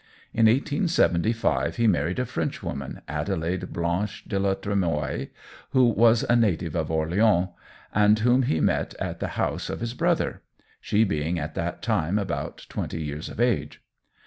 In 1875 he married a Frenchwoman, Adelaide Blanche de la Tremoille, who was a native of Orleans, and whom he met at the house of his brother, she being at that time about twenty years of age.